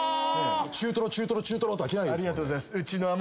中トロ中トロ中トロとはいけないです。